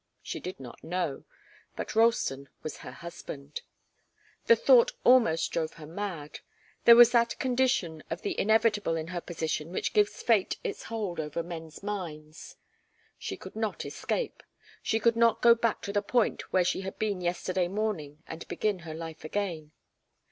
She did not know. But Ralston was her husband. The thought almost drove her mad. There was that condition of the inevitable in her position which gives fate its hold over men's minds. She could not escape. She could not go back to the point where she had been yesterday morning, and begin her life again.